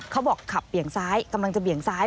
เขาบอกขับเบี่ยงซ้ายกำลังจะเบี่ยงซ้าย